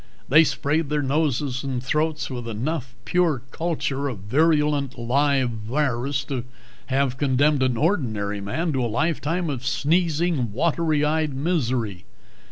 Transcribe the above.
They sprayed their noses and throats with enough pure culture of virulent live virus to have condemned an ordinary man to a lifetime of sneezing, watery eyed misery.